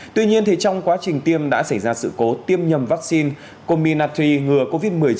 tuy nhiên trong quá trình tiêm đã xảy ra sự cố tiêm nhầm vaccine comin natri ngừa covid một mươi chín